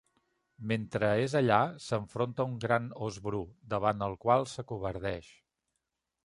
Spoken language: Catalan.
Mentre és allà, s'enfronta a un gran ós bru, davant el qual s'acovardeix.